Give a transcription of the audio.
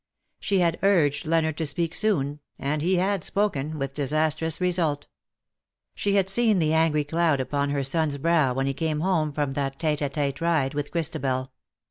She had urged Leonard to speak soon — and he had spoken — with disastrous result. She had seen the angry cloud upon her son^s brow when he came home from that tete a tete ride with Christabel.